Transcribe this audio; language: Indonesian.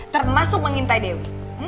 termasuk mengintai dewi